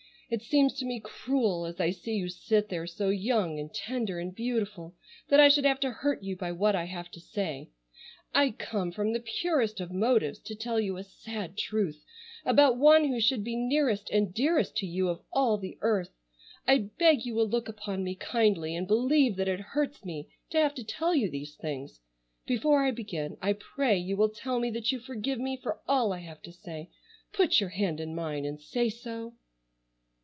It seems to me cruel, as I see you sit there so young and tender and beautiful, that I should have to hurt you by what I have to say. I come from the purest of motives to tell you a sad truth about one who should be nearest and dearest to you of all the earth. I beg you will look upon me kindly and believe that it hurts me to have to tell you these things. Before I begin I pray you will tell me that you forgive me for all I have to say. Put your hand in mine and say so."